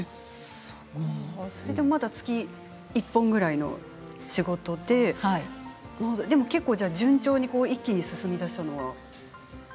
それでも月一本ぐらいの仕事で結構順調に一気に進みだしたのは。